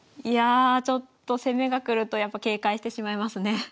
いやちょっと攻めが来るとやっぱ警戒してしまいますね。